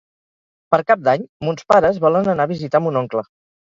Per Cap d'Any mons pares volen anar a visitar mon oncle.